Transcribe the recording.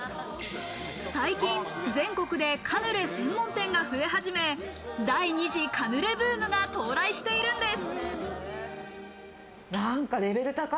最近、全国でカヌレ専門店が増え始め、第２次カヌレブームが到来しているんです。